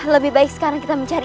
lebih baik sekarang kita mencari